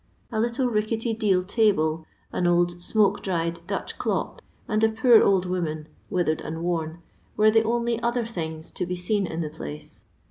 A little ricketty deal table, an old smoke dried Dutch clock, and a poor old woman, withered and worn, were the only other things to be seen in the place.